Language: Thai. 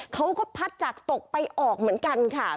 เขาก็พัดจากตกไปออกเหมือนกันค่ะ